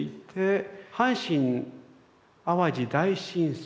阪神・淡路大震災。